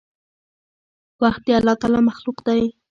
وخت د الله تعالي مخلوق دی.